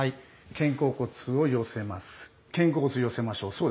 肩甲骨を寄せましょう。